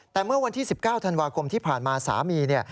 แต่เมื่อวันที่๑๙ธันวาคมที่ผ่านมาสามีเนี่ย